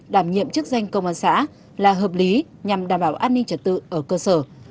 đảm nhiệm chức danh công an xã là hợp lý nhằm đảm bảo an ninh trật tự ở cơ sở